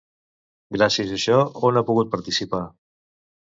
Gràcies a això, on ha pogut participar?